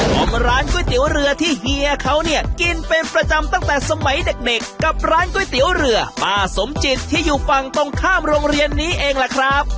ของร้านก๋วยเตี๋ยวเรือที่เฮียเขาเนี่ยกินเป็นประจำตั้งแต่สมัยเด็กกับร้านก๋วยเตี๋ยวเรือป้าสมจิตที่อยู่ฝั่งตรงข้ามโรงเรียนนี้เองล่ะครับ